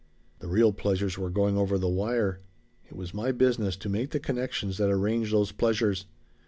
"The real pleasures were going over the wire. It was my business to make the connections that arrange those pleasures.